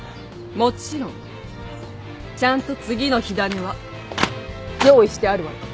もちろんちゃんと次の火種は用意してあるわよ。